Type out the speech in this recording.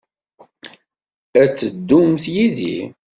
Ad d-teddumt yid-i?